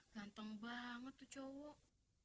ganteng banget itu cowok